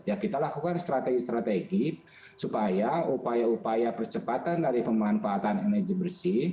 ya kita lakukan strategi strategi supaya upaya upaya percepatan dari pemanfaatan energi bersih